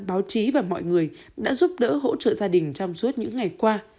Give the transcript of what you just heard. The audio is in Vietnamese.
báo chí và mọi người đã giúp đỡ hỗ trợ gia đình trong suốt những ngày qua